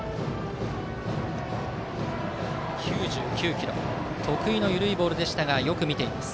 ９９キロ、得意の緩いボールをよく見ています。